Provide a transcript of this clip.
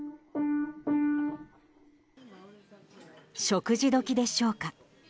食事時でしょうか。